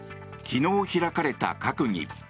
昨日開かれた閣議。